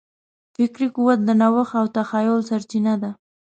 فکري قوت د نوښت او تخیل سرچینه ده.